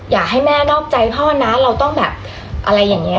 อยากให้แม่นอกใจพ่อนะเราต้องแบบอะไรอย่างนี้